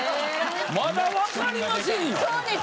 まだわかりませんよ。